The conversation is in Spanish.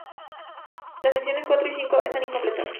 Las secciones cuatro y cinco están incompletas.